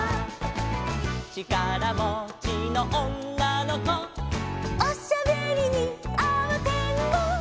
「ちからもちのおんなのこ」「おしゃべりにあわてんぼ」